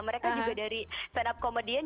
mereka juga dari stand up commedian